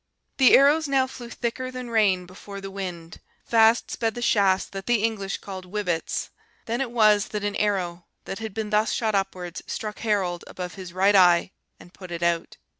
"The arrows now flew thicker than rain before the wind; fast sped the shafts that the English called 'wibetes.' Then it was that an arrow, that had been thus shot upwards, struck Harold above his right eye and put it out.